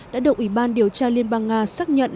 đã được ủy ban điều tra liên bang nga xác nhận